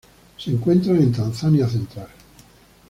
Se encuentran en Tanzania central.